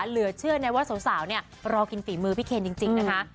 เหลือเชื่อนะว่าสาวเนี่ยรอกินฝีมือพี่เคนจริงนะคะ